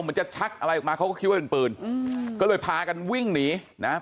เหมือนจะชักอะไรออกมาเขาก็คิดว่าเป็นปืนอืมก็เลยพากันวิ่งหนีนะฮะ